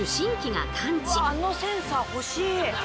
あのセンサー欲しい。